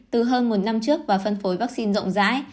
từ hơn một năm trước và phân phối vaccine rộng rãi